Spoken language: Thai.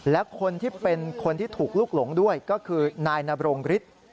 และคนที่เป็นคนที่ถูกลุกหลงด้วยก็คือนายนบรงฤทธิ์